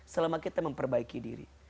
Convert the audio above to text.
selama kita memperbaiki diri